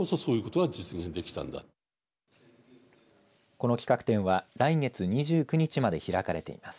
この企画展は来月２９日まで開かれています。